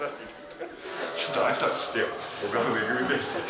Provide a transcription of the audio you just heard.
ちょっと挨拶してよ。